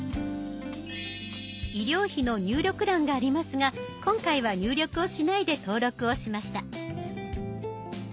医療費の入力欄がありますが今回は入力をしないで登録をしました。